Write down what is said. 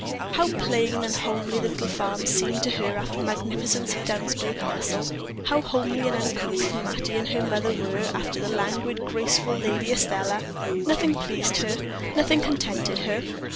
How plain and homely the little farm seemed to her after the magnificence of Downsbury Castle! How homely and uncouth Mattie and her mother were after the languid, graceful Lady Estelle! Nothing pleased her, nothing contented her.